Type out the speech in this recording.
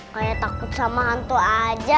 kayak takut sama hantu aja